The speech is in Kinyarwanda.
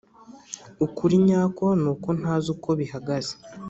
ukuri nyako nuko ntazi uko bihagaze.